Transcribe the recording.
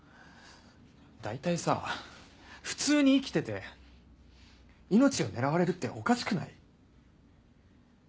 大体さ普通に生きてて命を狙われるっておかしくない？